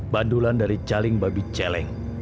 bandulan dari caling babi celeng